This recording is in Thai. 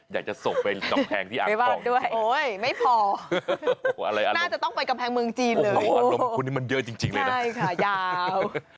อยากจะส่งไปกำแพงที่อ่างในบ้านด้วยโอ้ยไม่พอน่าจะต้องไปกำแพงเมืองจีนเลยอารมณ์คนนี้มันเยอะจริงเลยนะใช่ค่ะยาว